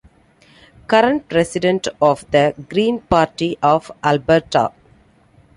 Current president of the Green Party of Alberta.